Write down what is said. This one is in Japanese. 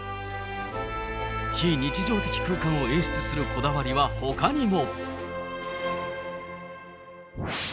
非日常的空間を演出するこだわりはほかにも。